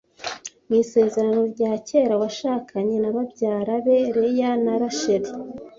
Mu Isezerano rya Kera washakanye na babyara be Leya na Rasheli